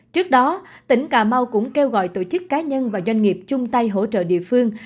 trước đó tỉnh cà mau cũng kêu gọi tổ chức cá nhân và doanh nghiệp chung tay hỗ trợ địa phương